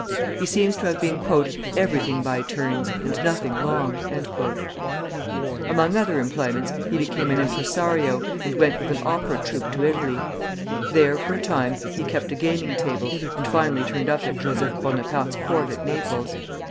He seems to have been "everything by turns, and nothing long." Among other employments he became an impressario, and went with an opera troupe to Italy. There for a time he kept a gaming table, and finally turned up at Joseph Bonaparte's court at Naples.